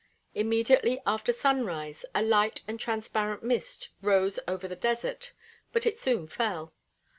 Immediately after sunrise a light and transparent mist rose over the desert, but it soon fell.